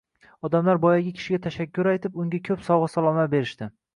Odamlar boyagi kishiga tashakkur aytib, unga ko‘p sovg‘a-salomlar berishdi.